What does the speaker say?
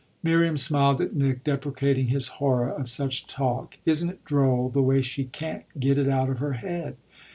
Miriam smiled at Nick, deprecating his horror of such talk. "Isn't it droll, the way she can't get it out of her head?"